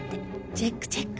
チェックチェック。